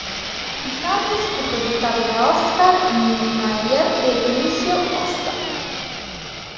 Il campus fu progettato da Oscar Niemeyer e Lúcio Costa.